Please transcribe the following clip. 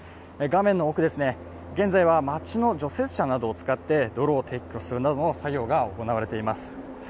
画面の奥、現在は町の除雪車などを使って泥を撤去するなどの作業が行われています。